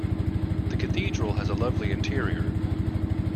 The Cathedral has a lovely interior.